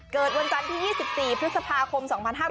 เกิดวันกวันที่๒๔พฤษภาคม๒๐๑๕